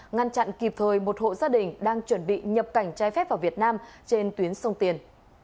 ngăn chặn kịp thời một hộ gia đình đang chuẩn bị nhập cảnh trái phép vào việt nam trên tuyến sông tiền